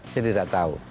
saya tidak tahu